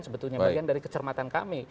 sebetulnya bagian dari kecermatan kami